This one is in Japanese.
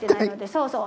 そうそう。